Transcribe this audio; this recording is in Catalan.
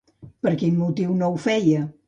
Per quin motiu no ho feia?